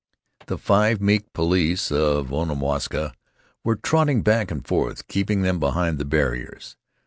The five meek police of Onamwaska were trotting back and forth, keeping them behind the barriers.